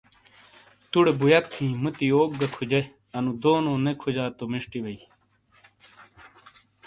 توڈے بویت ہی موتی یوک گہ کھوجے انو دونو نے کھوجا تو میشٹی بئی۔